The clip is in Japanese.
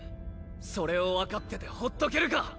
それを分かっててほっとけるか。